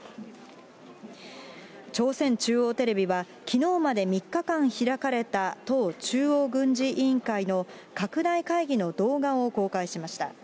朝鮮中央テレビはきのうまで３日間開かれた党中央軍事委員会の拡大会議の動画を公開しました。